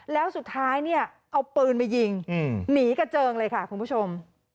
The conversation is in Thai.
แล้วสุดท้ายเนี่ยเอาปืนมายิงหนีกระเจิงเลยค่ะคุณผู้ชม